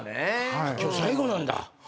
今日最後なんだ。